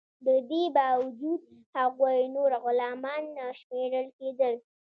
د دې باوجود هغوی نور غلامان نه شمیرل کیدل.